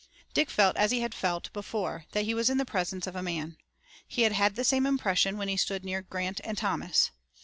Dick felt as he had felt before that he was in the presence of a man. He had had the same impression when he stood near Grant and Thomas.